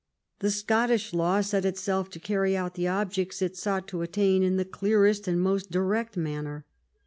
The Scottish law set itself to carry out the objects it sought to attain in the clearest and most direct manner.